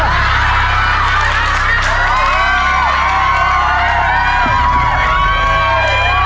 แล้ว